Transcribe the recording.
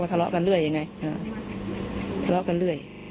ทะเลาะกันเรื่อย